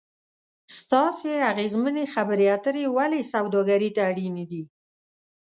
ستاسې اغیزمنې خبرې اترې ولې سوداګري ته اړینې دي ؟